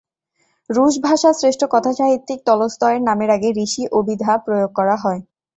রুশ ভাষার শ্রেষ্ঠ কথাসাহিত্যিক তলস্তয়ের নামের আগে ঋষি অভিধা প্রয়োগ করা হয়।